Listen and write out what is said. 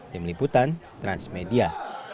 di meliputan transmedia